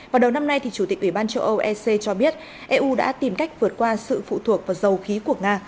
vào đầu năm nay chủ tịch ủy ban châu âu ec cho biết eu đã tìm cách vượt qua sự phụ thuộc vào dầu khí của nga